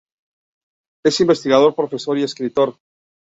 Es investigador, profesor y escritor.